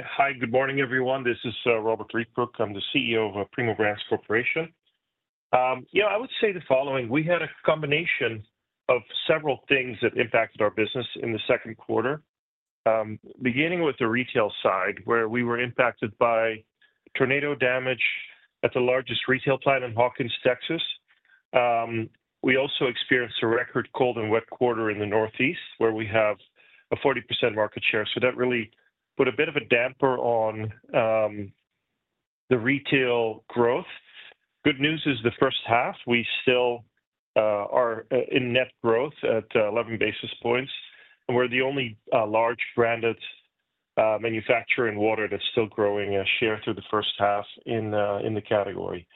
Hi, good morning everyone. This is Robert Rietbroek. I'm the CEO of Primo Brands Corporation. I would say the following: we had a combination of several things that impacted our business in the second quarter, beginning with the retail side where we were impacted by tornado damage at the largest retail plant in Hawkins, Texas. We also experienced a record cold and wet quarter in the Northeast where we have a 40% market share. That really put a bit of a damper on the retail growth. Good news is the first half, we still are in net growth at 11 basis points. We're the only large branded manufacturer in water that's still growing a share through the first half in the category.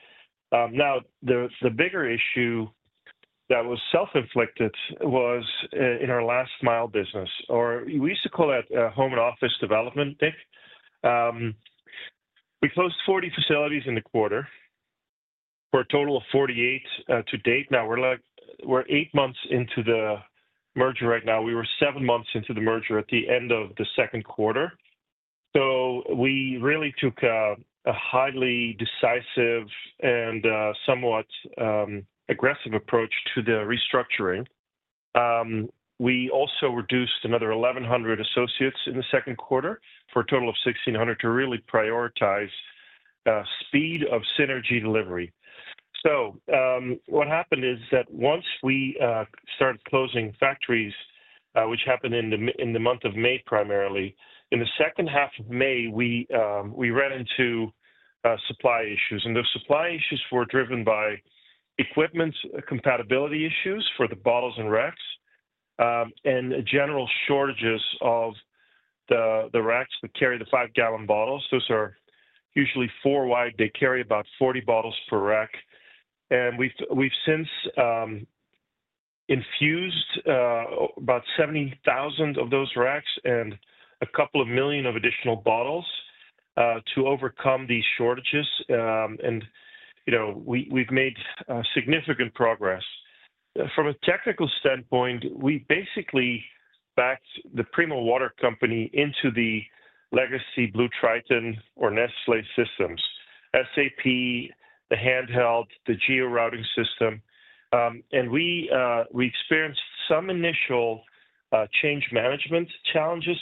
The bigger issue that was self-inflicted was in our last mile business, or we used to call that home and office development. We closed 40 facilities in the quarter for a total of 48 to date. Now we're eight months into the merger right now. We were seven months into the merger at the end of the second quarter. We really took a highly decisive and somewhat aggressive approach to the restructuring. We also reduced another 1,100 associates in the second quarter for a total of 1,600 to really prioritize speed of synergy delivery. What happened is that once we started closing factories, which happened in the month of May primarily, in the second half of May, we ran into supply issues. Those supply issues were driven by equipment compatibility issues for the bottles and racks, and general shortages of the racks that carry the five-gallon bottles. Those are usually four wide. They carry about 40 bottles per rack. We've since infused about 70,000 of those racks and a couple of million of additional bottles to overcome these shortages. We've made significant progress. From a technical standpoint, we basically backed the Primo Water Company into the legacy BlueTriton or Nestlé systems: SAP, the handheld, the geo-routing system. We experienced some initial change management challenges.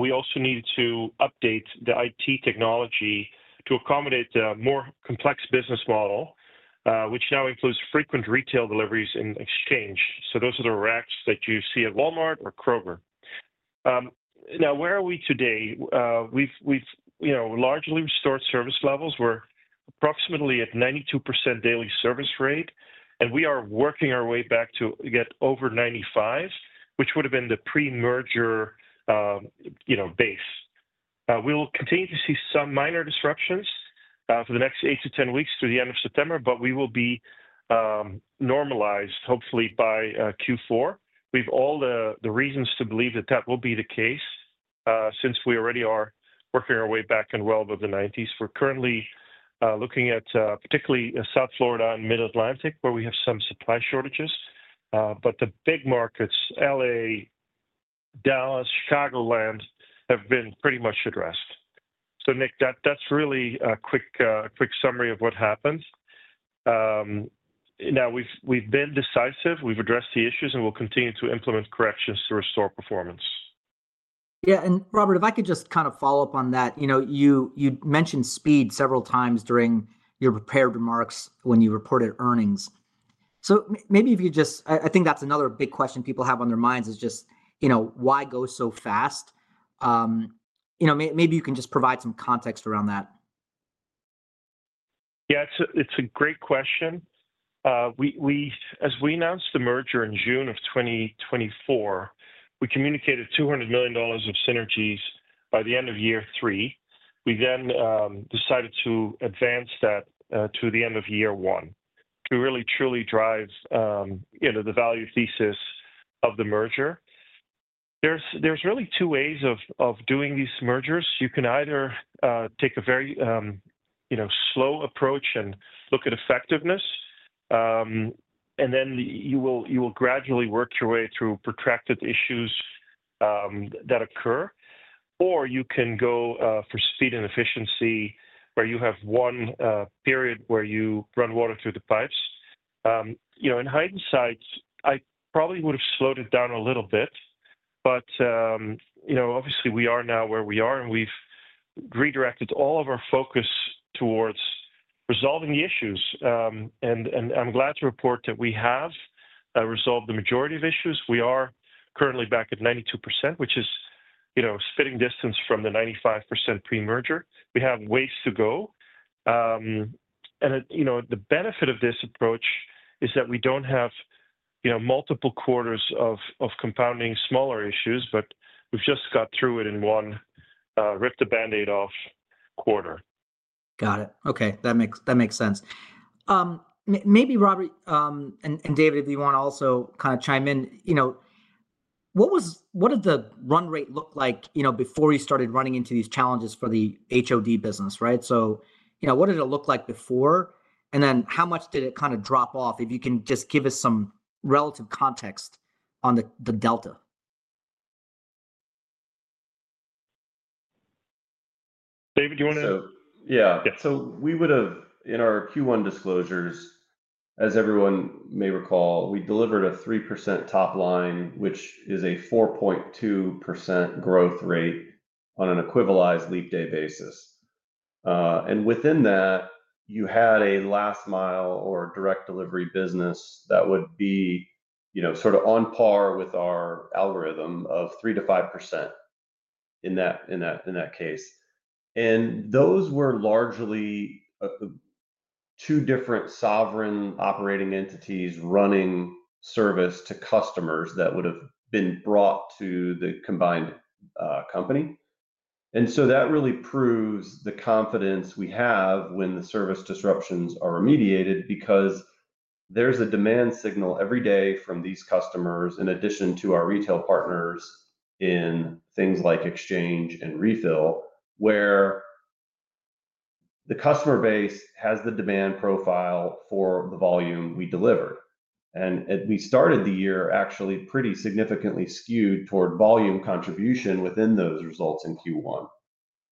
We also needed to update the IT technology to accommodate the more complex business model, which now includes frequent retail deliveries in exchange. Those are the racks that you see at Walmart or Kroger. Where are we today? We've largely restored service levels. We're approximately at 92% daily service rate. We are working our way back to get over 95, which would have been the pre-merger base. We will continue to see some minor disruptions for the next 8-10 weeks through the end of September, but we will be normalized hopefully by Q4. We have all the reasons to believe that will be the case, since we already are working our way back in well over the 90s. We're currently looking at, particularly in South Florida and Mid-Atlantic, where we have some supply shortages. The big markets, LA, Dallas, Chicagoland, have been pretty much addressed. Nick, that's really a quick summary of what happened. We have been decisive, we've addressed the issues, and we'll continue to implement corrections to restore performance. Yeah. Robert, if I could just kind of follow up on that, you mentioned speed several times during your prepared remarks when you reported earnings. Maybe if you just, I think that's another big question people have on their minds, why go so fast? Maybe you can just provide some context around that. Yeah, it's a great question. As we announced the merger in June of 2024, we communicated $200 million of synergies by the end of year three. We then decided to advance that to the end of year one. We really truly drive, you know, the value thesis of the merger. There's really two ways of doing these mergers. You can either take a very, you know, slow approach and look at effectiveness, and then you will gradually work your way through protracted issues that occur. Or you can go for speed and efficiency where you have one period where you run water through the pipes. You know, in hindsight, I probably would have slowed it down a little bit. Obviously, we are now where we are, and we've redirected all of our focus towards resolving the issues. I'm glad to report that we have resolved the majority of issues. We are currently back at 92%, which is, you know, spitting distance from the 95% pre-merger. We have ways to go. The benefit of this approach is that we don't have, you know, multiple quarters of compounding smaller issues, but we've just got through it in one, ripped the Band-Aid off quarter. Got it. Okay, that makes sense. Maybe Robert and David, if you want to also kind of chime in, you know, what was, what did the run rate look like before you started running into these challenges for the HOD business, right? What did it look like before, and then how much did it kind of drop off? If you can just give us some relative context on the delta. David, do you want to? In our Q1 disclosures, as everyone may recall, we delivered a 3% top line, which is a 4.2% growth rate on an equivocalized leap day basis. Within that, you had a last mile or direct delivery business that would be sort of on par with our algorithm of 3%-5% in that case. Those were largely two different sovereign operating entities running service to customers that would have been brought to the combined company. That really proves the confidence we have when the service disruptions are remediated because there's a demand signal every day from these customers in addition to our retail partners in things like exchange and refill where the customer base has the demand profile for the volume we deliver. We started the year actually pretty significantly skewed toward volume contribution within those results in Q1.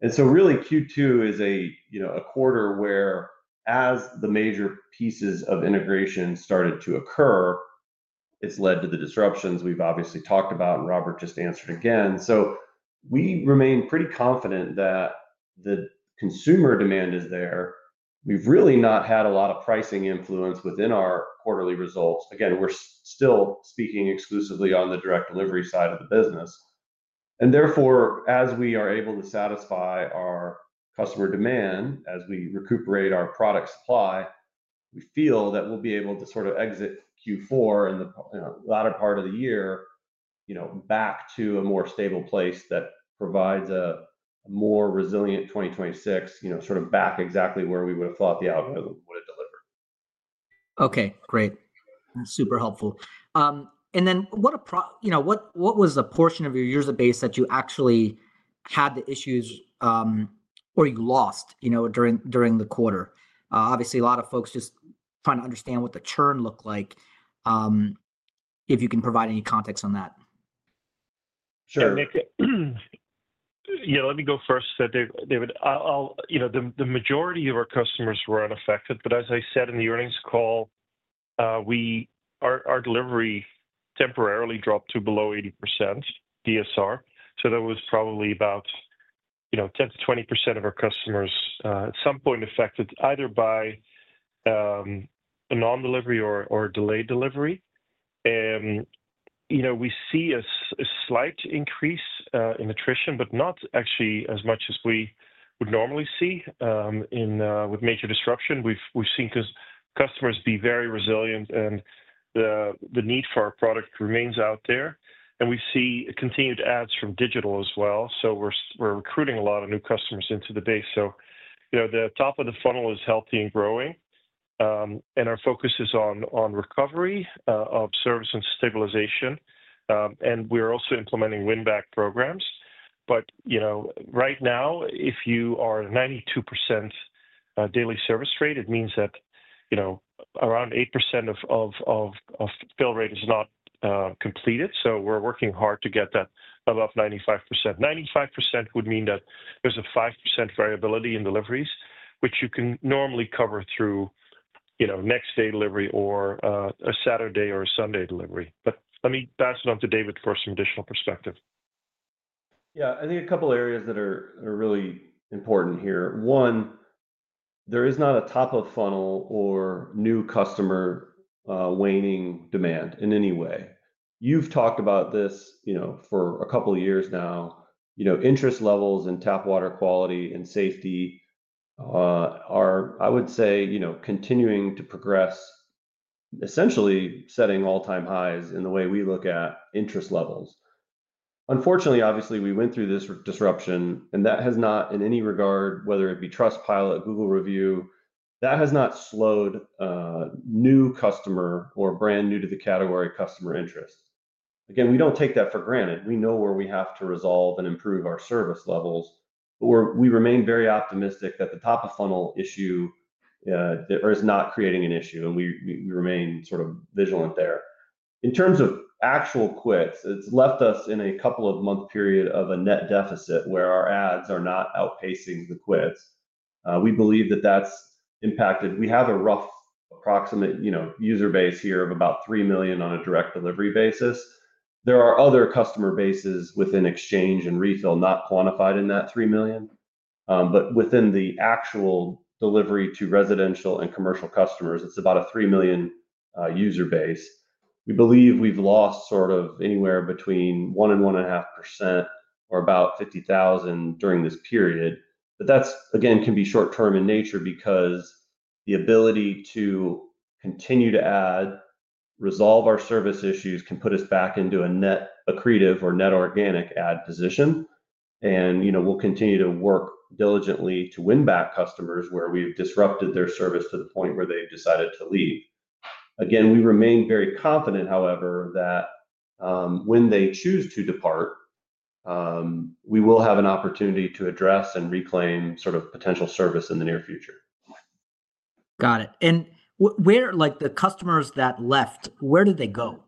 Q2 is a quarter where, as the major pieces of integration started to occur, it's led to the disruptions we've obviously talked about, and Robert just answered again. We remain pretty confident that the consumer demand is there. We've really not had a lot of pricing influence within our quarterly results. Again, we're still speaking exclusively on the direct delivery side of the business. Therefore, as we are able to satisfy our customer demand, as we recuperate our product supply, we feel that we'll be able to exit Q4 in the latter part of the year back to a more stable place that provides a more resilient 2026, sort of back exactly where we would have thought the algorithm would have delivered. Okay. Great. Super helpful. What was a portion of your user base that you actually had the issues, or you lost during the quarter? Obviously, a lot of folks just trying to understand what the churn looked like, if you can provide any context on that. Sure. Nick, you know, let me go first. So David, the majority of our customers were unaffected. As I said in the earnings call, our delivery temporarily dropped to below 80% DSR. That was probably about 10% to 20% of our customers, at some point affected either by a non-delivery or a delayed delivery. We see a slight increase in attrition, but not actually as much as we would normally see with major disruption. We've seen customers be very resilient, and the need for our product remains out there. We see continued ads from digital as well. We're recruiting a lot of new customers into the base. The top of the funnel is healthy and growing, and our focus is on recovery of service and stabilization. We're also implementing win-back programs. Right now, if you are at a 92% daily service rate, it means that around 8% of fill rate is not completed. We're working hard to get that above 95%. 95% would mean that there's a 5% variability in deliveries, which you can normally cover through next-day delivery or a Saturday or a Sunday delivery. Let me pass it on to David for some additional perspective. Yeah. I think a couple of areas that are really important here. One, there is not a top-of-funnel or new customer waning demand in any way. You've talked about this, you know, for a couple of years now. You know, interest levels in tap water quality and safety are, I would say, you know, continuing to progress, essentially setting all-time highs in the way we look at interest levels. Unfortunately, obviously, we went through this disruption, and that has not, in any regard, whether it be Trustpilot, Google Review, that has not slowed new customer or brand new to the category customer interest. Again, we don't take that for granted. We know where we have to resolve and improve our service levels. We remain very optimistic that the top-of-funnel issue is not creating an issue, and we remain sort of vigilant there. In terms of actual quits, it's left us in a couple-of-month period of a net deficit where our adds are not outpacing the quits. We believe that that's impacted. We have a rough approximate, you know, user base here of about 3 million on a direct delivery basis. There are other customer bases within exchange and refill not quantified in that 3 million, but within the actual delivery to residential and commercial customers, it's about a 3 million user base. We believe we've lost sort of anywhere between 1% and 1.5%, or about 50,000 during this period. That, again, can be short-term in nature because the ability to continue to add, resolve our service issues, can put us back into a net accretive or net organic add position. You know, we'll continue to work diligently to win back customers where we've disrupted their service to the point where they've decided to leave. Again, we remain very confident, however, that when they choose to depart, we will have an opportunity to address and reclaim sort of potential service in the near future. Got it. Where, like, the customers that left, where did they go?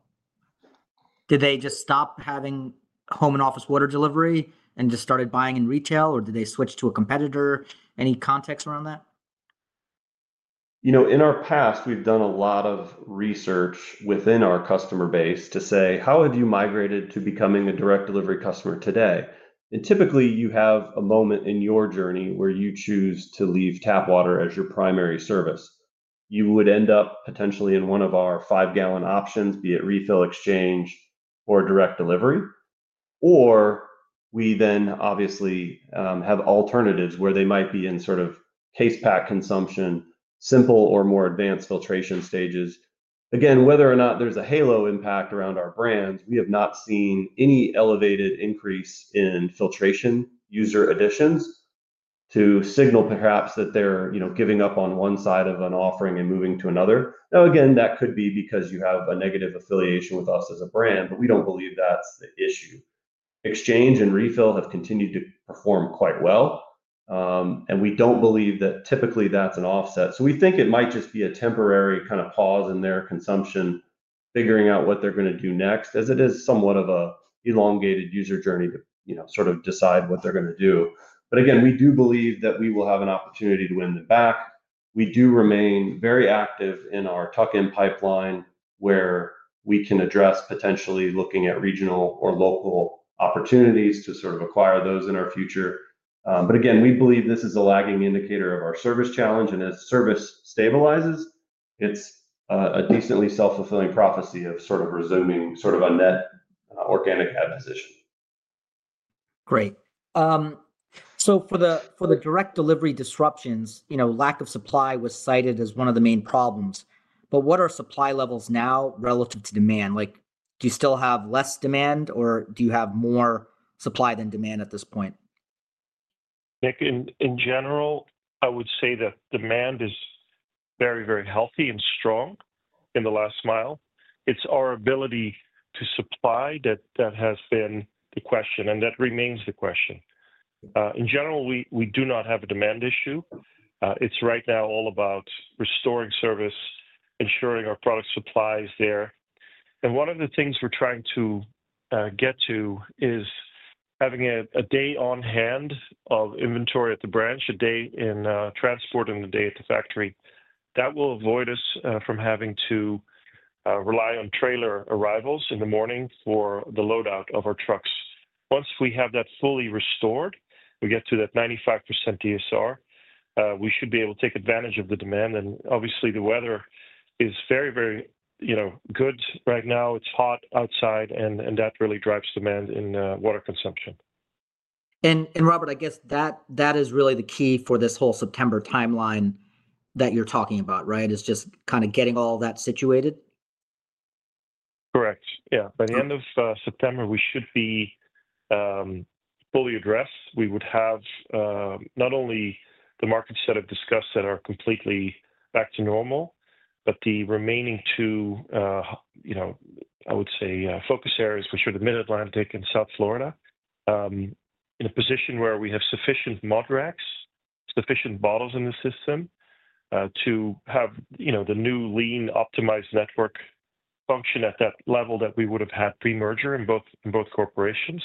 Did they just stop having home and office water delivery and just start buying in retail, or did they switch to a competitor? Any context around that? You know, in our past, we've done a lot of research within our customer base to say, how have you migrated to becoming a direct delivery customer today? Typically, you have a moment in your journey where you choose to leave tap water as your primary service. You would end up potentially in one of our five-gallon options, be it refill, exchange, or direct delivery. We then obviously have alternatives where they might be in sort of case pack consumption, simple or more advanced filtration stages. Again, whether or not there's a halo impact around our brand, we have not seen any elevated increase in filtration user additions to signal perhaps that they're, you know, giving up on one side of an offering and moving to another. That could be because you have a negative affiliation with us as a brand, but we don't believe that's the issue. Exchange and refill have continued to perform quite well, and we don't believe that typically that's an offset. We think it might just be a temporary kind of pause in their consumption, figuring out what they're going to do next, as it is somewhat of an elongated user journey to, you know, sort of decide what they're going to do. Again, we do believe that we will have an opportunity to win them back. We do remain very active in our tuck-in pipeline where we can address potentially looking at regional or local opportunities to sort of acquire those in our future. We believe this is a lagging indicator of our service challenge. As service stabilizes, it's a decently self-fulfilling prophecy of sort of resuming sort of a net, organic acquisition. Great. For the direct delivery disruptions, lack of supply was cited as one of the main problems. What are supply levels now relative to demand? Do you still have less demand, or do you have more supply than demand at this point? Nick, in general, I would say that demand is very, very healthy and strong in the last mile. It's our ability to supply that that has been the question, and that remains the question. In general, we do not have a demand issue. It's right now all about restoring service, ensuring our product supply is there. One of the things we're trying to get to is having a day on hand of inventory at the branch, a day in transport, and a day at the factory. That will avoid us from having to rely on trailer arrivals in the morning for the loadout of our trucks. Once we have that fully restored, we get to that 95% DSR. We should be able to take advantage of the demand. Obviously, the weather is very, very good right now. It's hot outside, and that really drives demand in water consumption. Robert, I guess that is really the key for this whole September timeline that you're talking about, right? It's just kind of getting all that situated? Correct. Yeah. By the end of September, we should be fully addressed. We would have not only the markets that I've discussed that are completely back to normal, but the remaining two, you know, I would say, focus areas for sure, the Mid-Atlantic and South Florida, in a position where we have sufficient mod racks, sufficient bottles in the system to have, you know, the new lean optimized network function at that level that we would have had pre-merger in both corporations.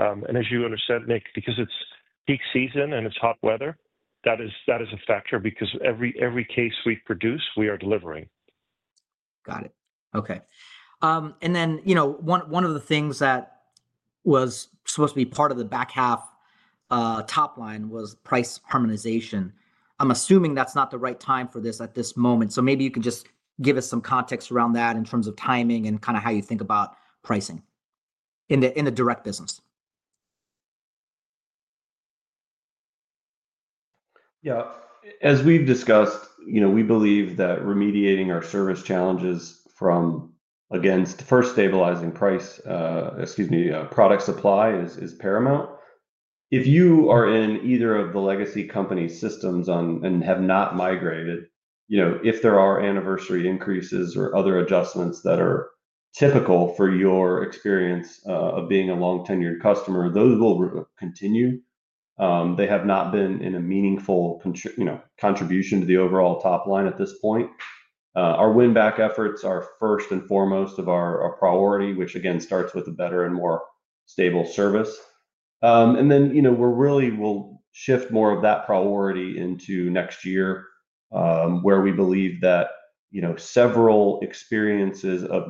As you understand, Nik, because it's peak season and it's hot weather, that is a factor because every case we produce, we are delivering. Got it. Okay. One of the things that was supposed to be part of the back half top line was price harmonization. I'm assuming that's not the right time for this at this moment. Maybe you could just give us some context around that in terms of timing and kind of how you think about pricing in the direct business. Yeah. As we've discussed, we believe that remediating our service challenges from against first stabilizing product supply is paramount. If you are in either of the legacy company systems and have not migrated, if there are anniversary increases or other adjustments that are typical for your experience of being a long-tenured customer, those will continue. They have not been a meaningful contribution to the overall top line at this point. Our win-back efforts are first and foremost our priority, which again starts with a better and more stable service. We're really going to shift more of that priority into next year, where we believe that several experiences of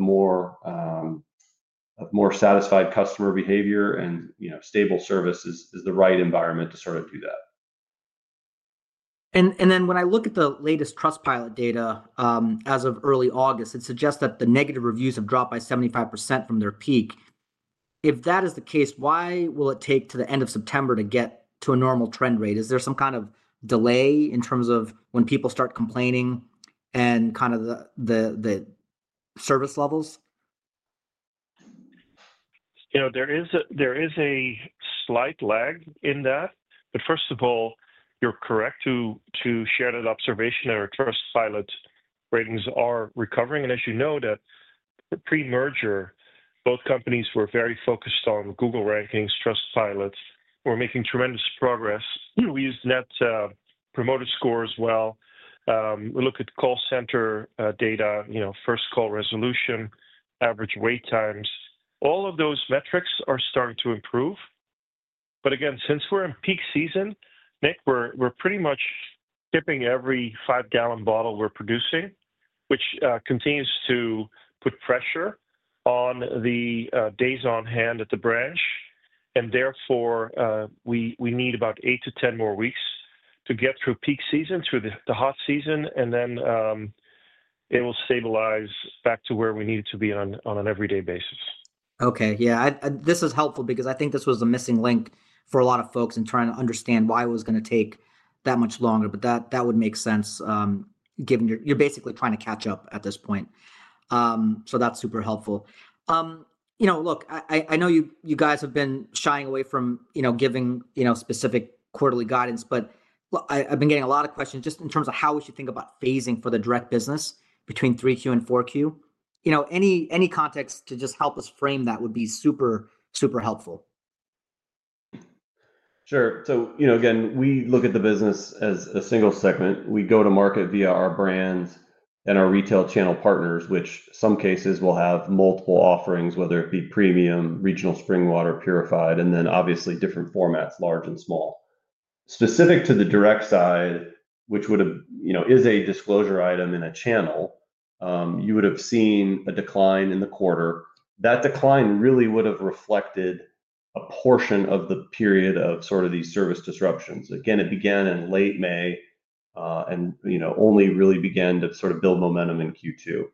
more satisfied customer behavior and stable service is the right environment to sort of do that. When I look at the latest Trustpilot data, as of early August, it suggests that the negative reviews have dropped by 75% from their peak. If that is the case, why will it take to the end of September to get to a normal trend rate? Is there some kind of delay in terms of when people start complaining and the service levels? There is a slight lag in that. First of all, you're correct to share that observation that our Trustpilot ratings are recovering. As you know, pre-merger, both companies were very focused on Google rankings. Trustpilot, we're making tremendous progress. We used net promoter scores as well. We looked at call center data, first call resolution, average wait times. All of those metrics are starting to improve. Since we're in peak season, Nick, we're pretty much tipping every five-gallon bottle we're producing, which continues to put pressure on the days on hand at the branch. Therefore, we need about 8-10 more weeks to get through peak season, through the hot season, and then it will stabilize back to where we need it to be on an everyday basis. Okay. This is helpful because I think this was a missing link for a lot of folks in trying to understand why it was going to take that much longer. That would make sense, given you're basically trying to catch up at this point. That's super helpful. You know, look, I know you guys have been shying away from giving specific quarterly guidance, but I've been getting a lot of questions just in terms of how we should think about phasing for the direct delivery business between 3Q and 4Q. Any context to just help us frame that would be super, super helpful. Sure. Again, we look at the business as a single segment. We go to market via our brands and our retail channel partners, which in some cases will have multiple offerings, whether it be premium, regional spring water, purified, and then obviously different formats, large and small. Specific to the direct side, which is a disclosure item in a channel, you would have seen a decline in the quarter. That decline really would have reflected a portion of the period of these service disruptions. It began in late May and only really began to build momentum in Q2.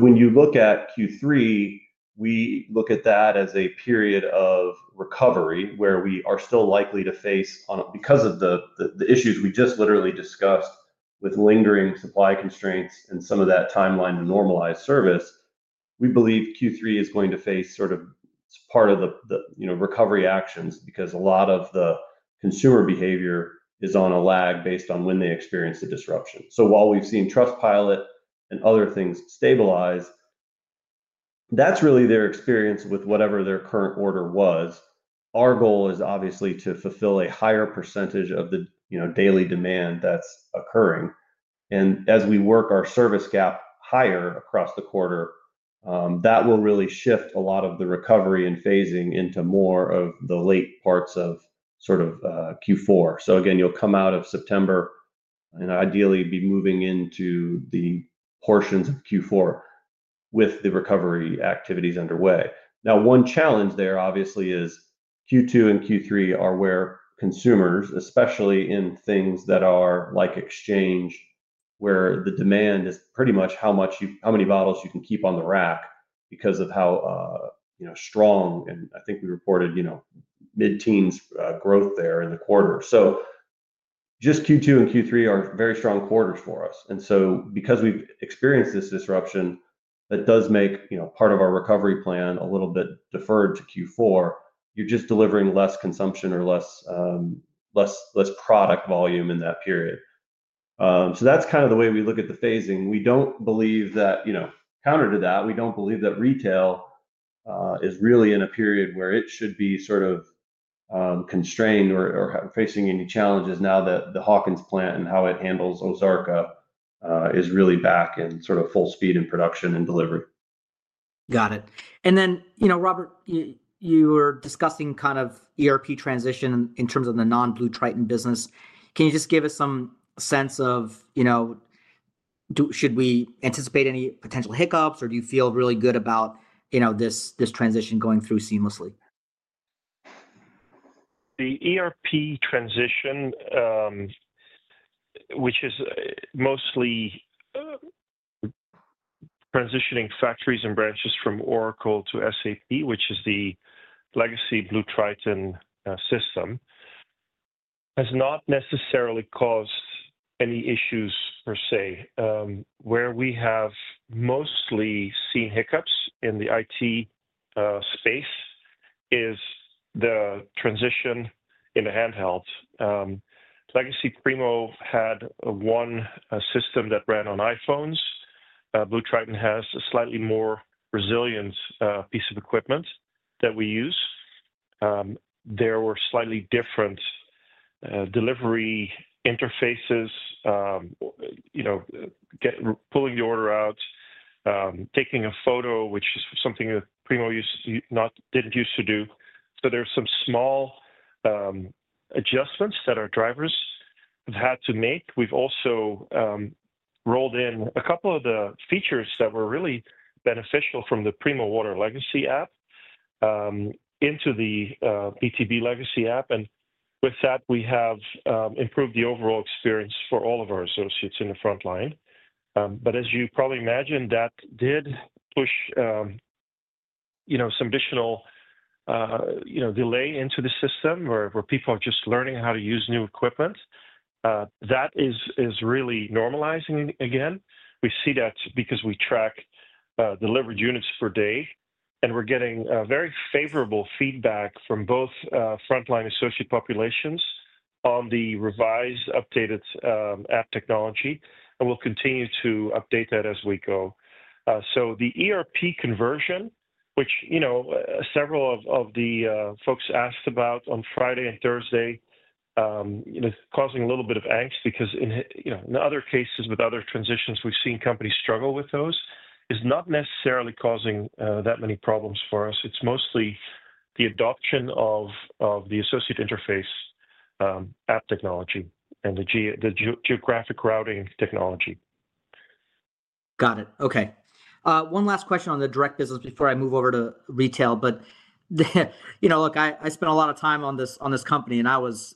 When you look at Q3, we look at that as a period of recovery where we are still likely to face, because of the issues we just literally discussed with lingering supply constraints and some of that timeline to normalize service, we believe Q3 is going to face part of the recovery actions because a lot of the consumer behavior is on a lag based on when they experienced the disruption. While we've seen Trustpilot and other things stabilize, that's really their experience with whatever their current order was. Our goal is obviously to fulfill a higher percentage of the daily demand that's occurring. As we work our service gap higher across the quarter, that will really shift a lot of the recovery and phasing into more of the late parts of Q4. You will come out of September and ideally be moving into the portions of Q4 with the recovery activities underway. One challenge there is Q2 and Q3 are where consumers, especially in things that are like exchange, where the demand is pretty much how many bottles you can keep on the rack because of how strong. I think we reported mid-teens growth there in the quarter. Q2 and Q3 are very strong quarters for us. Because we've experienced this disruption, that does make part of our recovery plan a little bit deferred to Q4. You're just delivering less consumption or less product volume in that period. That's kind of the way we look at the phasing. We don't believe that, counter to that, we don't believe that retail is really in a period where it should be constrained or facing any challenges now that the Hawkins plant and how it handles Ozarka is really back and full speed in production and delivery. Got it. Robert, you were discussing kind of ERP transition in terms of the non-BlueTriton business. Can you just give us some sense of, you know, should we anticipate any potential hiccups or do you feel really good about this transition going through seamlessly? The ERP transition, which is mostly transitioning factories and branches from Oracle to SAP, which is the legacy BlueTriton system, has not necessarily caused any issues per se. Where we have mostly seen hiccups in the IT space is the transition in the handheld. Legacy Primo had one system that ran on iPhones. BlueTriton has a slightly more resilient piece of equipment that we use. There were slightly different delivery interfaces, you know, pulling the order out, taking a photo, which is something that Primo used to not do. There are some small adjustments that our drivers have had to make. We've also rolled in a couple of the features that were really beneficial from the Primo Water legacy app into the BTB legacy app. With that, we have improved the overall experience for all of our associates in the front line. As you probably imagine, that did push some additional delay into the system where people are just learning how to use new equipment. That is really normalizing again. We see that because we track delivered units per day, and we're getting very favorable feedback from both frontline associate populations on the revised, updated app technology. We'll continue to update that as we go. The ERP conversion, which several of the folks asked about on Friday and Thursday, causing a little bit of angst because in other cases with other transitions, we've seen companies struggle with those, is not necessarily causing that many problems for us. It's mostly the adoption of the associate interface app technology and the geographic routing technology. Got it. Okay. One last question on the direct delivery business before I move over to retail. I spent a lot of time on this company, and I was,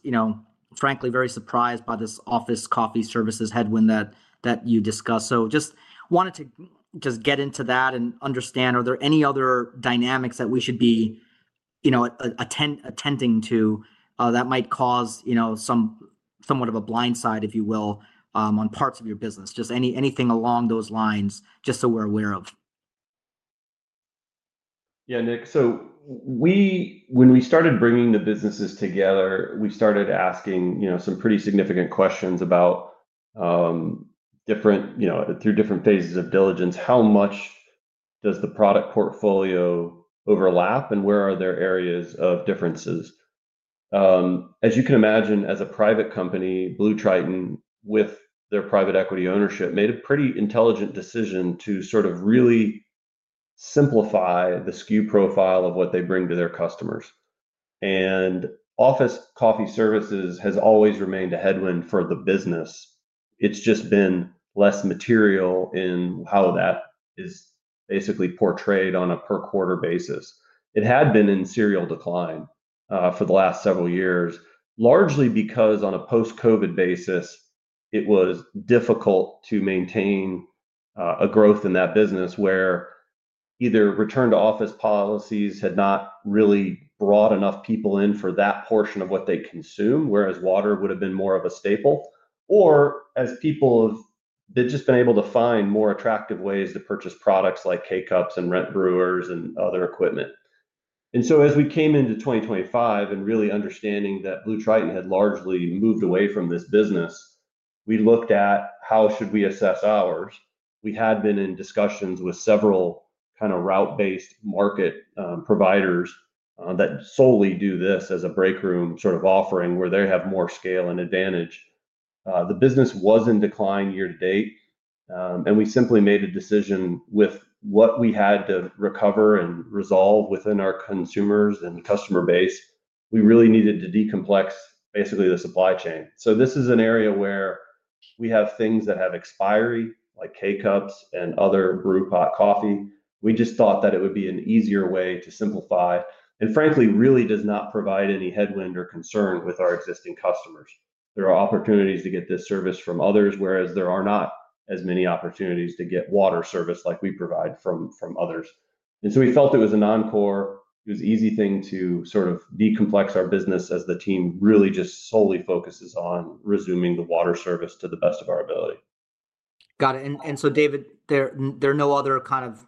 frankly, very surprised by this office coffee services headwind that you discussed. I just wanted to get into that and understand, are there any other dynamics that we should be attending to that might cause somewhat of a blind side, if you will, on parts of your business? Just anything along those lines so we're aware of. Yeah, Nik. When we started bringing the businesses together, we started asking some pretty significant questions about, through different phases of diligence, how much does the product portfolio overlap and where are there areas of differences. As you can imagine, as a private company, BlueTriton, with their private equity ownership, made a pretty intelligent decision to really simplify the SKU profile of what they bring to their customers. Office coffee services has always remained a headwind for the business. It's just been less material in how that is basically portrayed on a per-quarter basis. It had been in serial decline for the last several years, largely because on a post-COVID basis, it was difficult to maintain a growth in that business where either return-to-office policies had not really brought enough people in for that portion of what they consume, whereas water would have been more of a staple, or as people have just been able to find more attractive ways to purchase products like K-Cups and rent brewers and other equipment. As we came into 2025 and really understanding that BlueTriton had largely moved away from this business, we looked at how should we assess ours. We had been in discussions with several kind of route-based market providers that solely do this as a break room sort of offering where they have more scale and advantage. The business was in decline year to date, and we simply made a decision with what we had to recover and resolve within our consumers and customer base. We really needed to decomplex basically the supply chain. This is an area where we have things that have expiry like K-Cups and other brew pot coffee. We just thought that it would be an easier way to simplify and frankly really does not provide any headwind or concern with our existing customers. There are opportunities to get this service from others, whereas there are not as many opportunities to get water service like we provide from others. We felt it was a non-core. It was an easy thing to decomplex our business as the team really just solely focuses on resuming the water service to the best of our ability. Got it. David, there are no other kind of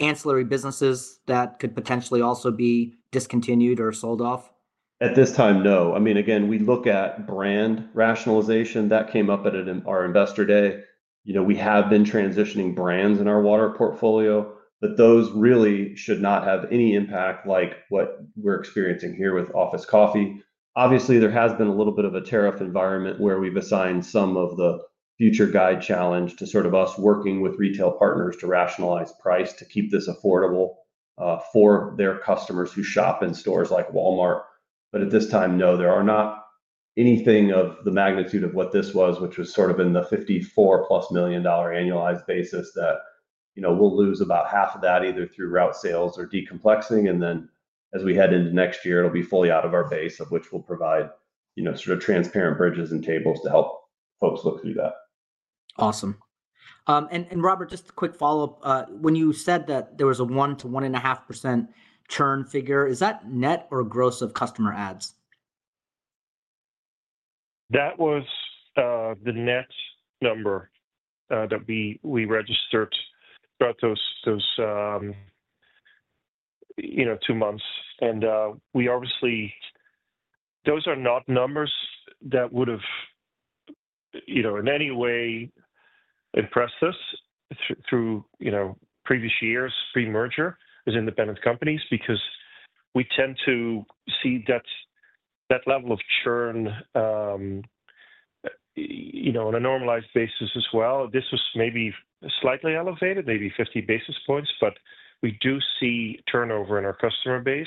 ancillary businesses that could potentially also be discontinued or sold off? At this time, no. I mean, again, we look at brand rationalization. That came up at our investor day. We have been transitioning brands in our water portfolio, but those really should not have any impact like what we're experiencing here with office coffee. Obviously, there has been a little bit of a tariff environment where we've assigned some of the future guide challenge to us working with retail partners to rationalize price to keep this affordable for their customers who shop in stores like Walmart. At this time, no, there are not anything of the magnitude of what this was, which was in the $54+ million annualized basis that we'll lose about half of that either through route sales or decomplexing. As we head into next year, it'll be fully out of our base, of which we'll provide transparent bridges and tables to help folks look through that. Awesome. Robert, just a quick follow-up. When you said that there was a 1-1.5% churn figure, is that net or gross of customer ads? That was the net number that we registered throughout those two months. Obviously, those are not numbers that would have in any way impressed us through previous years, pre-merger as independent companies, because we tend to see that level of churn on a normalized basis as well. This was maybe slightly elevated, maybe 50 basis points, but we do see turnover in our customer base,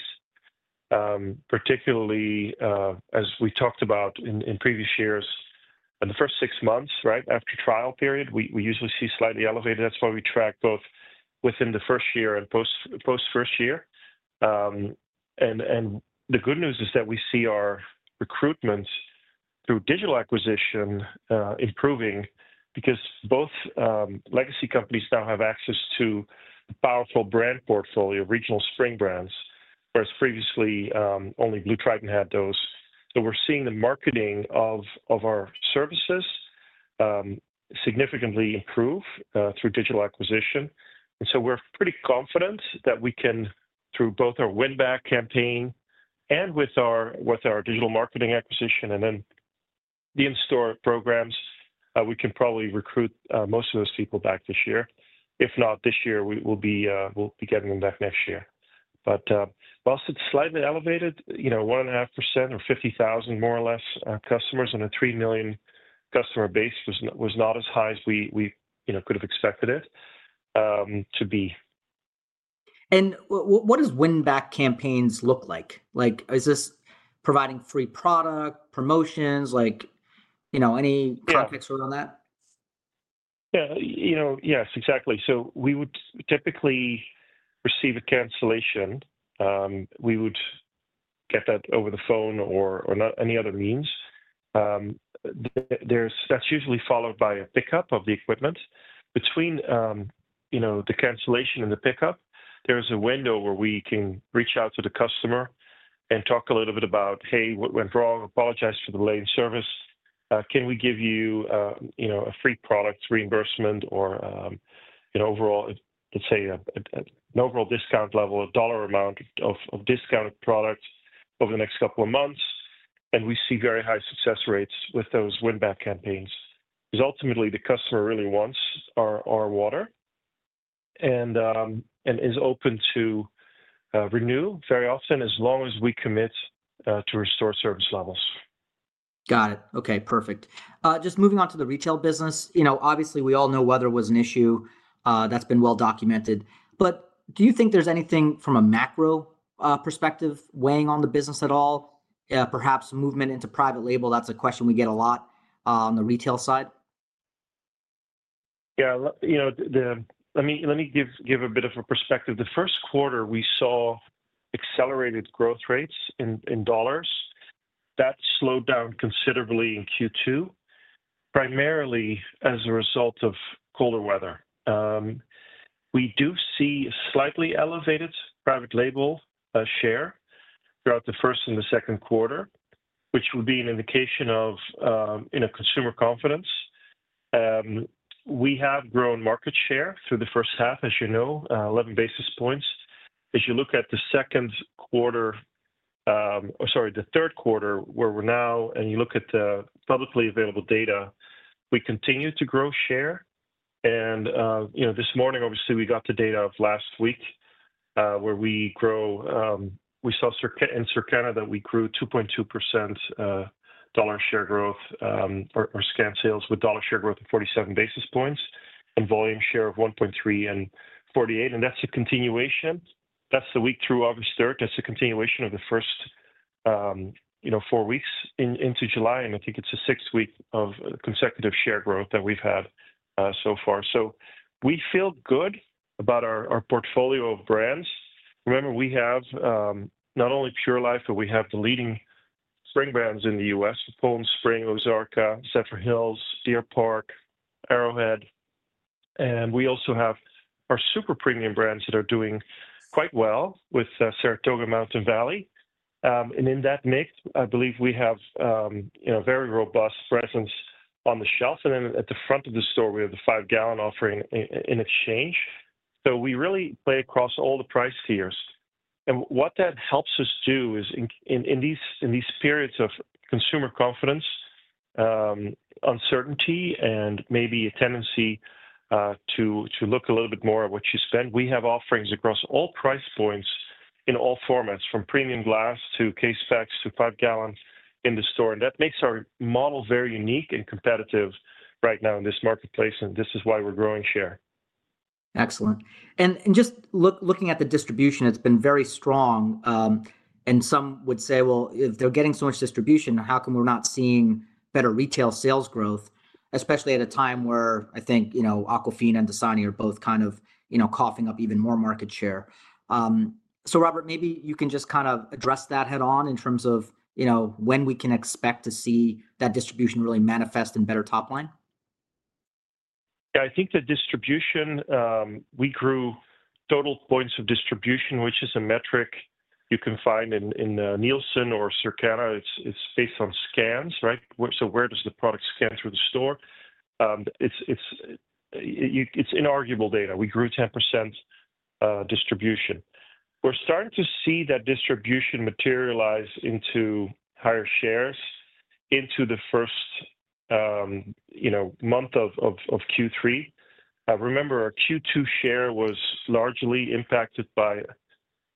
particularly as we talked about in previous years. In the first six months right after trial period, we usually see slightly elevated. That's why we track both within the first year and post-first year. The good news is that we see our recruitment through digital acquisition improving because both legacy companies now have access to powerful brand portfolio, regional spring brands, whereas previously only BlueTriton Brands had those. We're seeing the marketing of our services significantly improve through digital acquisition. We're pretty confident that we can, through both our win-back campaign and with our digital marketing acquisition and then the in-store programs, probably recruit most of those people back this year. If not this year, we'll be getting them back next year. Whilst it's slightly elevated, 1.5% or 50,000 more or less customers on a 3 million customer base was not as high as we could have expected it to be. What do win-back campaigns look like? Is this providing free product, promotions? Any context around that? Yeah. Yes, exactly. We would typically receive a cancellation. We would get that over the phone or not any other means. That's usually followed by a pickup of the equipment. Between the cancellation and the pickup, there's a window where we can reach out to the customer and talk a little bit about, "Hey, what went wrong? Apologize for the late service. Can we give you a free product reimbursement or an overall, let's say, an overall discount level, a dollar amount of discounted product over the next couple of months?" We see very high success rates with those win-back campaigns because ultimately, the customer really wants our water and is open to renew very often as long as we commit to restore service levels. Got it. Okay. Perfect. Just moving on to the retail business, you know, obviously, we all know weather was an issue, that's been well documented. Do you think there's anything from a macro perspective weighing on the business at all? Perhaps movement into private label, that's a question we get a lot on the retail side. Yeah. Let me give a bit of a perspective. The first quarter, we saw accelerated growth rates in dollars. That slowed down considerably in Q2, primarily as a result of colder weather. We do see a slightly elevated private label share throughout the first and the second quarter, which would be an indication of, you know, consumer confidence. We have grown market share through the first half, as you know, 11 basis points. As you look at the second quarter, or sorry, the third quarter where we're now, and you look at the publicly available data, we continue to grow share. This morning, obviously, we got the data of last week, where we saw in Circana that we grew 2.2% dollar share growth, or scan sales with dollar share growth of 47 basis points and volume share of 1.3 and 48. That's a continuation. That's the week through August 3rd. That's a continuation of the first four weeks into July. I think it's a sixth week of consecutive share growth that we've had so far. We feel good about our portfolio of brands. Remember, we have not only Pure Life, but we have the leading spring brands in the U.S.: Poland Spring, Ozarka, Zephyrhills, Deer Park, Arrowhead. We also have our super premium brands that are doing quite well with Saratoga, Mountain Valley. In that mix, I believe we have a very robust presence on the shelf. At the front of the store, we have the five-gallon offering in exchange. We really play across all the price tiers. What that helps us do is in these periods of consumer confidence, uncertainty, and maybe a tendency to look a little bit more at what you spend. We have offerings across all price points in all formats, from premium glass to case packs to five-gallon in the store. That makes our model very unique and competitive right now in this marketplace. This is why we're growing share. Excellent. Just looking at the distribution, it's been very strong. Some would say, if they're getting so much distribution, how come we're not seeing better retail sales growth, especially at a time where I think, you know, Aquafina and Dasani are both kind of, you know, coughing up even more market share. Robert, maybe you can just kind of address that head-on in terms of, you know, when we can expect to see that distribution really manifest in better top line. Yeah. I think the distribution, we grew total points of distribution, which is a metric you can find in Nielsen or Circana. It's based on scans, right? So where does the product scan through the store? It's inarguable data. We grew 10% distribution. We're starting to see that distribution materialize into higher shares into the first, you know, month of Q3. Remember, our Q2 share was largely impacted by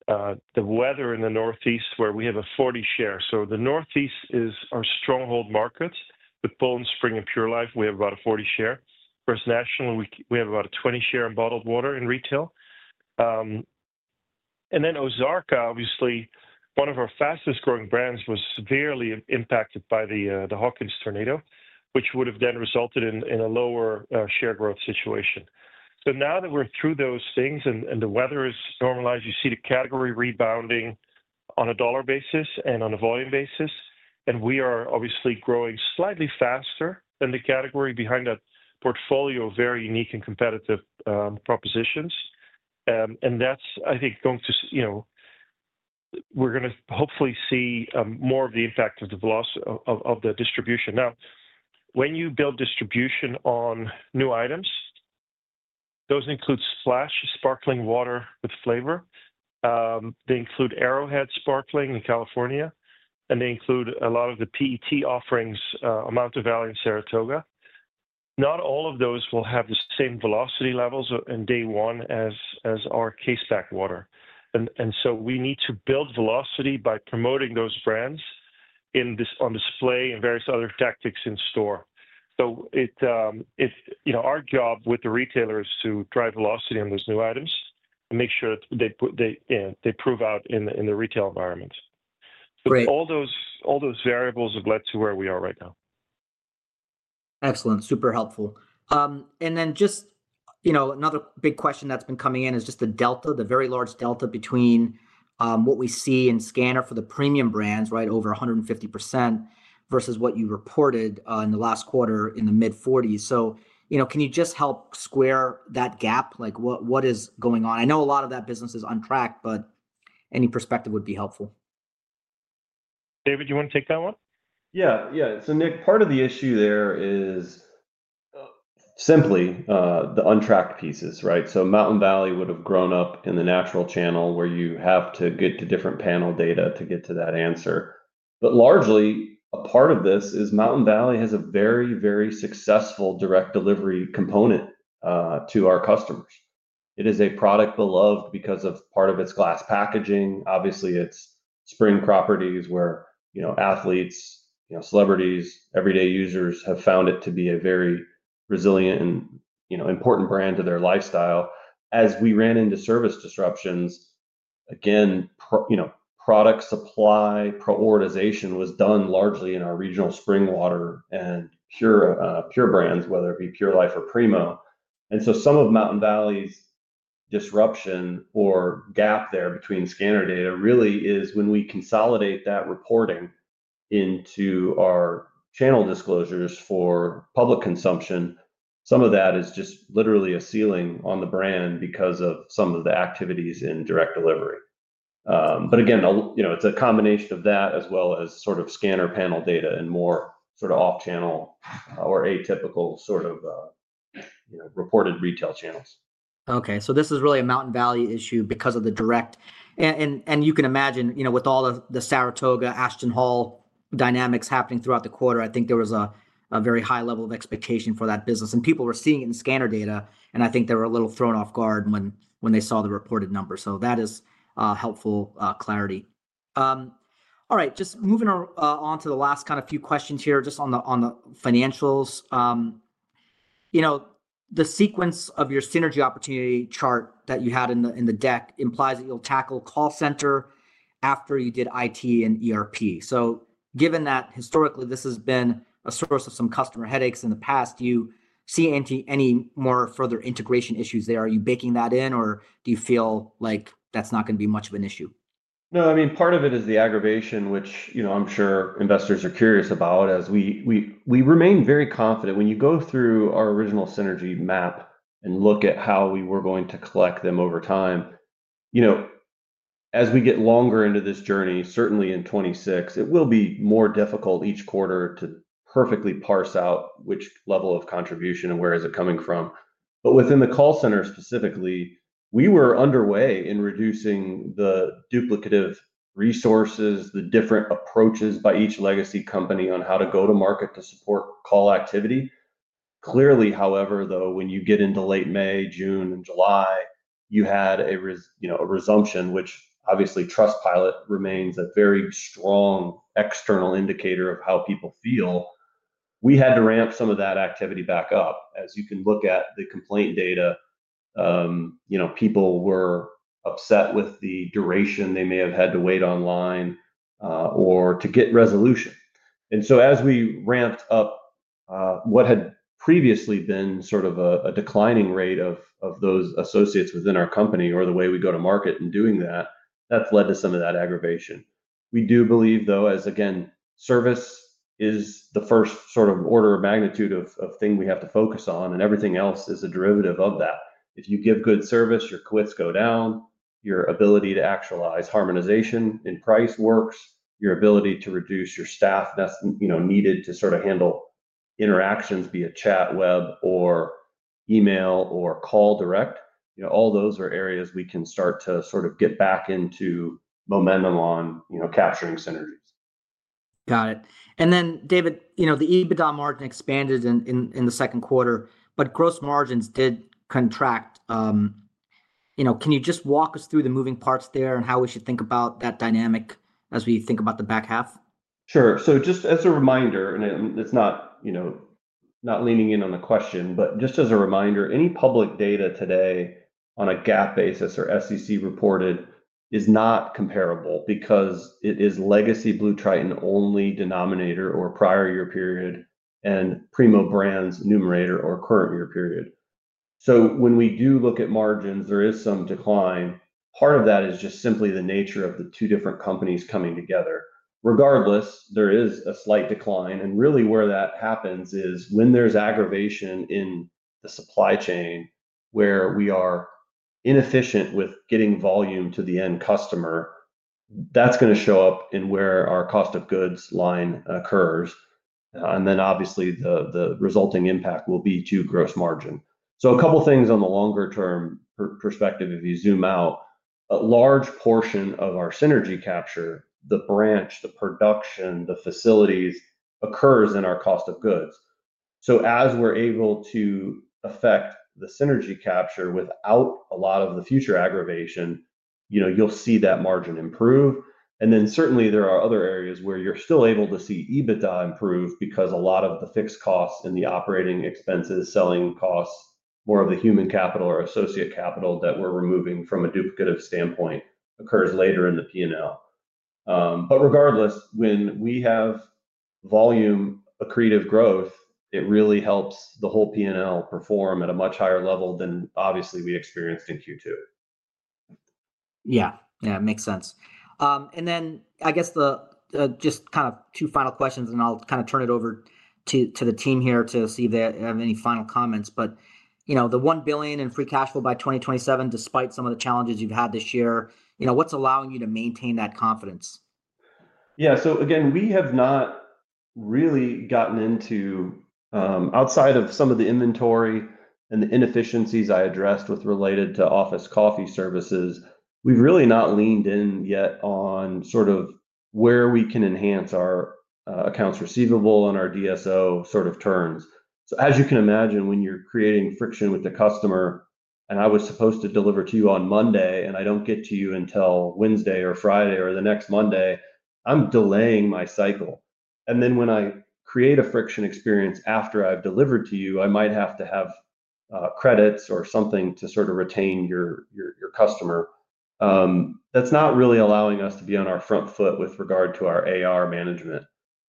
the weather in the Northeast where we have a 40% share. The Northeast is our stronghold market. With Poland Spring and Pure Life, we have about a 40% share. Nationally, we have about a 20% share in bottled water in retail. Ozarka, obviously, one of our fastest growing brands, was severely impacted by the Hawkins tornado, which would have then resulted in a lower share growth situation. Now that we're through those things and the weather is normalized, you see the category rebounding on a dollar basis and on a volume basis. We are obviously growing slightly faster than the category behind that portfolio of very unique and competitive propositions. I think that's going to, you know, we're going to hopefully see more of the impact of the distribution. Now, when you build distribution on new items, those include Splash sparkling water with flavor. They include Arrowhead sparkling in California, and they include a lot of the PET offerings on Mountain Valley and Saratoga. Not all of those will have the same velocity levels in day one as our case pack water. We need to build velocity by promoting those brands on display and various other tactics in store. Our job with the retailer is to drive velocity on those new items and make sure that they prove out in the retail environment. Great. All those variables have led to where we are right now. Excellent. Super helpful. Another big question that's been coming in is just the delta, the very large delta between what we see in scanner for the premium brands, right, over 150% versus what you reported in the last quarter in the mid-40%. Can you just help square that gap? What is going on? I know a lot of that business is untracked, but any perspective would be helpful. David, do you want to take that one? Yeah. Yeah. Nick, part of the issue there is simply the untracked pieces, right? Mountain Valley would have grown up in the natural channel where you have to get to different panel data to get to that answer. Largely, a part of this is Mountain Valley has a very, very successful direct delivery component to our customers. It is a product beloved because of part of its glass packaging. Obviously, its spring properties where, you know, athletes, celebrities, everyday users have found it to be a very resilient and important brand to their lifestyle. As we ran into service disruptions, product supply prioritization was done largely in our regional spring water and pure brands, whether it be Pure Life or Primo. Some of Mountain Valley's disruption or gap there between scanner data really is when we consolidate that reporting into our channel disclosures for public consumption. Some of that is just literally a ceiling on the brand because of some of the activities in direct delivery. Again, it's a combination of that as well as sort of scanner panel data and more sort of off-channel or atypical reported retail channels. Okay. This is really a Mountain Valley issue because of the direct. You can imagine, with all the Saratoga-Aston Hall dynamics happening throughout the quarter, there was a very high level of expectation for that business. People were seeing it in scanner data, and I think they were a little thrown off guard when they saw the reported numbers. That is helpful clarity. All right. Just moving on to the last kind of few questions here on the financials. The sequence of your synergy opportunity chart that you had in the deck implies that you'll tackle call center after you did IT and ERP. Given that historically this has been a source of some customer headaches in the past, do you see any more further integration issues there? Are you baking that in, or do you feel like that's not going to be much of an issue? No. Part of it is the aggravation, which, you know, I'm sure investors are curious about as we remain very confident. When you go through our original synergy map and look at how we were going to collect them over time, as we get longer into this journey, certainly in 2026, it will be more difficult each quarter to perfectly parse out which level of contribution and where it is coming from. Within the call center specifically, we were underway in reducing the duplicative resources, the different approaches by each legacy company on how to go to market to support call activity. Clearly, however, when you get into late May, June, and July, you had a resumption, which obviously Trustpilot remains a very strong external indicator of how people feel. We had to ramp some of that activity back up. As you can look at the complaint data, people were upset with the duration they may have had to wait online, or to get resolution. As we ramped up, what had previously been sort of a declining rate of those associates within our company or the way we go to market in doing that, that's led to some of that aggravation. We do believe, though, as again, service is the first sort of order of magnitude of thing we have to focus on, and everything else is a derivative of that. If you give good service, your quits go down. Your ability to actualize harmonization in price works. Your ability to reduce your staff that's needed to sort of handle interactions via chat, web, or email, or call direct. All those are areas we can start to get back into momentum on, capturing synergies. Got it. David, you know, the EBITDA margin expanded in the second quarter, but gross margins did contract. You know, can you just walk us through the moving parts there and how we should think about that dynamic as we think about the back half? Sure. Just as a reminder, and it's not, you know, not leaning in on the question, but just as a reminder, any public data today on a GAAP basis or SEC reported is not comparable because it is legacy BlueTriton only denominator or prior year period and Primo Brands numerator or current year period. When we do look at margins, there is some decline. Part of that is just simply the nature of the two different companies coming together. Regardless, there is a slight decline. Really where that happens is when there's aggravation in the supply chain where we are inefficient with getting volume to the end customer, that's going to show up in where our cost of goods line occurs. Obviously, the resulting impact will be to gross margin. A couple of things on the longer-term perspective, if you zoom out, a large portion of our synergy capture, the branch, the production, the facilities occurs in our cost of goods. As we're able to affect the synergy capture without a lot of the future aggravation, you'll see that margin improve. Certainly, there are other areas where you're still able to see EBITDA improve because a lot of the fixed costs and the operating expenses, selling costs, more of the human capital or associate capital that we're removing from a duplicative standpoint occurs later in the P&L. Regardless, when we have volume accretive growth, it really helps the whole P&L perform at a much higher level than obviously we experienced in Q2. Yeah, it makes sense. I guess just kind of two final questions, and I'll turn it over to the team here to see if they have any final comments. You know, the $1 billion in free cash flow by 2027, despite some of the challenges you've had this year, what's allowing you to maintain that confidence? Yeah. We have not really gotten into, outside of some of the inventory and the inefficiencies I addressed with related to office coffee services, we've really not leaned in yet on sort of where we can enhance our accounts receivable and our DSO sort of turns. As you can imagine, when you're creating friction with the customer and I was supposed to deliver to you on Monday and I don't get to you until Wednesday or Friday or the next Monday, I'm delaying my cycle. When I create a friction experience after I've delivered to you, I might have to have credits or something to sort of retain your customer. That's not really allowing us to be on our front foot with regard to our AR management.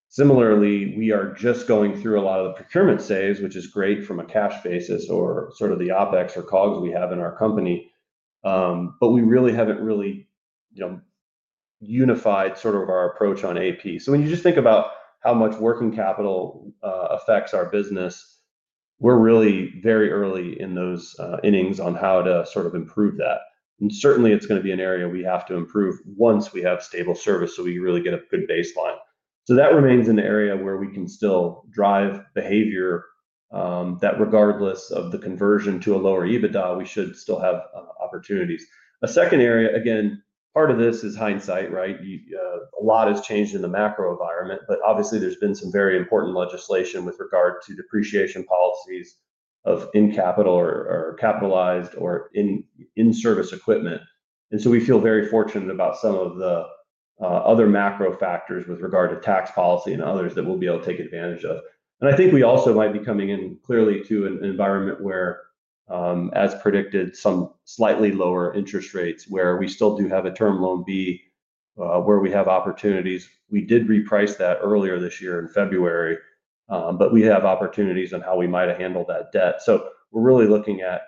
Similarly, we are just going through a lot of the procurement saves, which is great from a cash basis or sort of the OpEx or COGS we have in our company, but we really haven't really unified sort of our approach on AP. When you just think about how much working capital affects our business, we're really very early in those innings on how to sort of improve that. It is going to be an area we have to improve once we have stable service so we really get a good baseline. That remains an area where we can still drive behavior, that regardless of the conversion to a lower EBITDA, we should still have opportunities. A second area, part of this is hindsight, right? A lot has changed in the macro environment, but obviously, there's been some very important legislation with regard to depreciation policies of in capital or capitalized or in in-service equipment. We feel very fortunate about some of the other macro factors with regard to tax policy and others that we'll be able to take advantage of. I think we also might be coming in clearly to an environment where, as predicted, some slightly lower interest rates where we still do have a term loan B, where we have opportunities. We did reprice that earlier this year in February, but we have opportunities on how we might have handled that debt. We're really looking at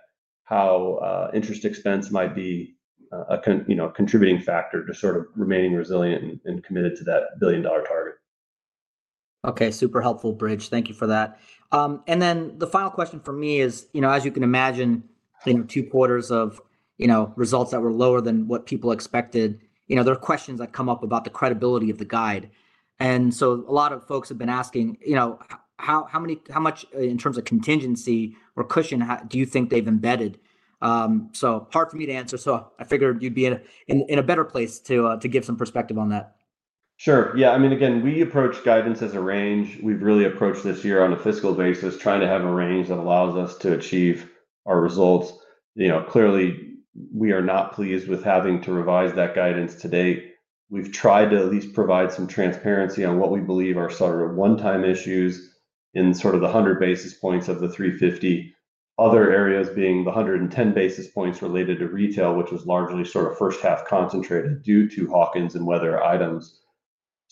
how interest expense might be a contributing factor to sort of remaining resilient and committed to that billion-dollar target. Okay. Super helpful, Bridge. Thank you for that. The final question for me is, you know, as you can imagine, two quarters of results that were lower than what people expected, there are questions that come up about the credibility of the guide. A lot of folks have been asking how much in terms of contingency or cushion do you think they've embedded? It's hard for me to answer. I figured you'd be in a better place to give some perspective on that. Sure. Yeah. I mean, again, we approach guidance as a range. We've really approached this year on a fiscal basis, trying to have a range that allows us to achieve our results. Clearly, we are not pleased with having to revise that guidance to date. We've tried to at least provide some transparency on what we believe are sort of one-time issues in the 100 basis points of the 350, other areas being the 110 basis points related to retail, which was largely first half concentrated due to Hawkins and weather items.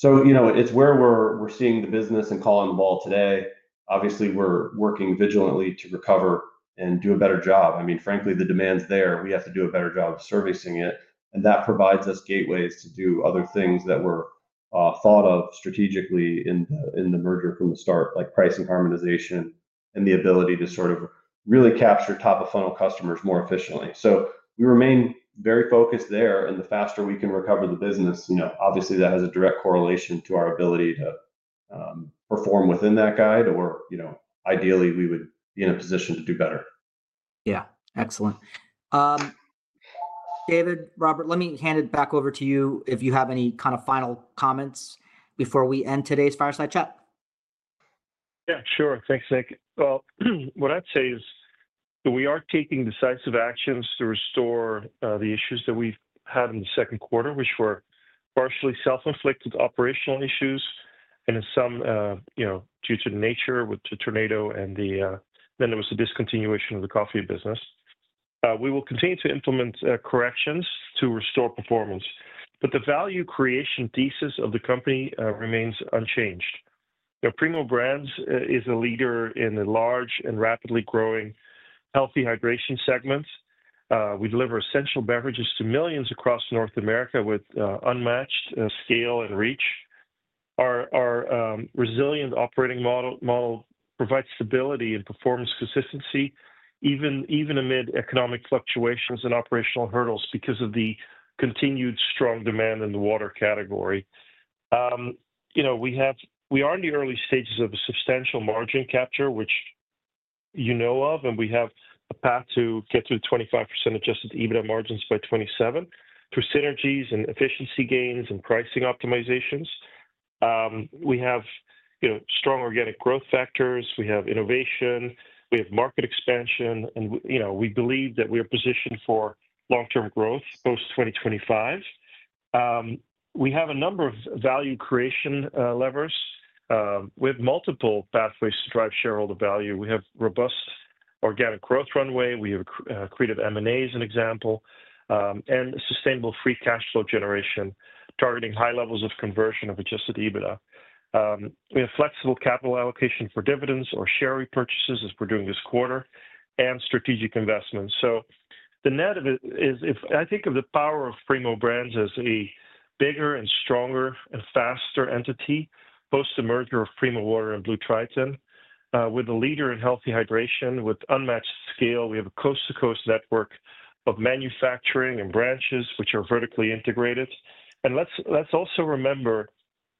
It's where we're seeing the business and calling the ball today. Obviously, we're working vigilantly to recover and do a better job. Frankly, the demand's there. We have to do a better job of servicing it. That provides us gateways to do other things that were thought of strategically in the merger from the start, like pricing harmonization and the ability to really capture top-of-funnel customers more efficiently. We remain very focused there. The faster we can recover the business, obviously, that has a direct correlation to our ability to perform within that guide or, ideally, we would be in a position to do better. Yeah. Excellent. David, Robert, let me hand it back over to you if you have any kind of final comments before we end today's Fireside Chat. Yeah. Thanks, Nik. What I'd say is that we are taking decisive actions to restore the issues that we've had in the second quarter, which were partially self-inflicted operational issues and in some, you know, due to nature with the tornado and then there was a discontinuation of the coffee business. We will continue to implement corrections to restore performance. The value creation thesis of the company remains unchanged. Primo Brands is a leader in the large and rapidly growing healthy hydration segment. We deliver essential beverages to millions across North America with unmatched scale and reach. Our resilient operating model provides stability and performance consistency, even amid economic fluctuations and operational hurdles because of the continued strong demand in the water category. We are in the early stages of a substantial margin capture, which you know of, and we have the path to get through 25% adjusted EBITDA margins by 2027 through synergies and efficiency gains and pricing optimizations. We have strong organic growth factors. We have innovation. We have market expansion. We believe that we are positioned for long-term growth post-2025. We have a number of value creation levers. We have multiple pathways to drive shareholder value. We have robust organic growth runway. We have creative M&A, an example, and sustainable free cash flow generation targeting high levels of conversion of adjusted EBITDA. We have flexible capital allocation for dividends or share repurchases as we're doing this quarter and strategic investments. The net of it is if I think of the power of Primo Brands as a bigger and stronger and faster entity post the merger of Primo Water and BlueTriton Brands, with a leader in healthy hydration with unmatched scale. We have a coast-to-coast network of manufacturing and branches, which are vertically integrated. Let's also remember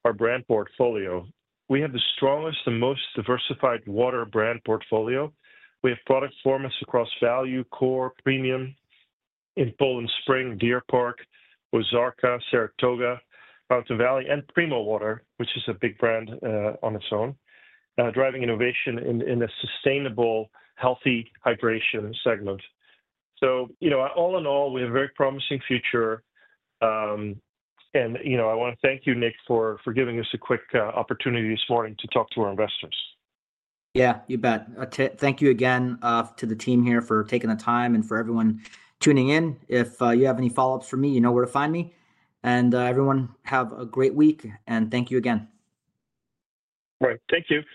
our brand portfolio. We have the strongest and most diversified water brand portfolio. We have product formats across value, core, premium in Poland Spring, Deer Park, Ozarka, Saratoga, Mountain Valley, and Primo Water, which is a big brand on its own, driving innovation in a sustainable, healthy hydration segment. All in all, we have a very promising future. I want to thank you, Nik, for giving us a quick opportunity this morning to talk to our investors. Yeah. You bet. Thank you again to the team here for taking the time and for everyone tuning in. If you have any follow-ups for me, you know where to find me. Everyone have a great week, and thank you again. All right, thank you.